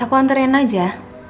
aku anterin aja